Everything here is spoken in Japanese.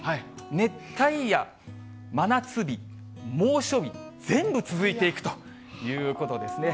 熱帯夜、真夏日、猛暑日、全部続いていくということですね。